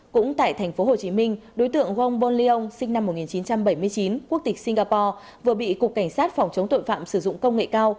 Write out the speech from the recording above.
cũng tại tp hcm đối tượng gong bol lyon sinh năm một nghìn chín trăm bảy mươi chín quốc tịch singapore vừa bị cục cảnh sát phòng chống tội phạm sử dụng công nghệ cao